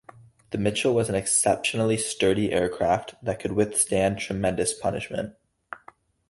The Mitchell was an exceptionally sturdy aircraft that could withstand tremendous punishment.